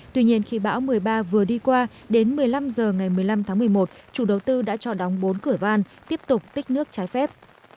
tuy nhiên khi bão một mươi ba vừa đi qua đến một mươi năm h ngày một mươi năm tháng một mươi một chủ đầu tư đã cho đóng bốn cửa van tiếp tục tích nước trái phép